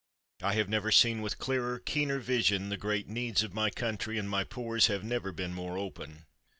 I have never seen with clearer, keener vision the great needs of my country, and my pores have never been more open.